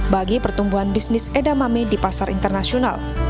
bagi pertumbuhan bisnis edamame di pasar internasional